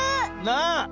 なあ。